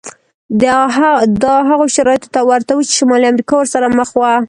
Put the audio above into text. دا هغو شرایطو ته ورته و چې شمالي امریکا ورسره مخ وه.